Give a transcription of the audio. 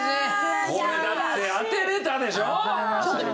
これだって当てれたでしょ。